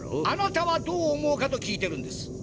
あなたはどう思うかと聞いてるんです。